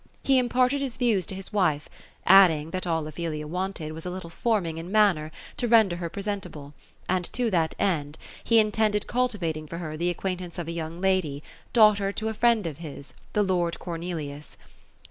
He imparted his views to his wife ; adding, that all Ophelia wanted, was a little forming in manner, to render her presentable ; and to that end he intended ouItiTating for her the acquaintance of a young lady, daugh ter to a friend of his, the lord Cornelius.